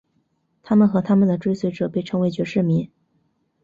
他们和他们的追随者被称为爵士迷。